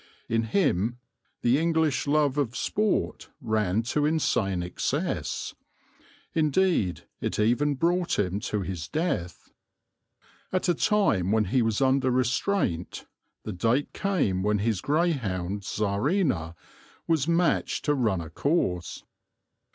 In him the English love of sport ran to insane excess. Indeed it even brought him to his death. At a time when he was under restraint the date came when his greyhound Czarina was matched to run a course.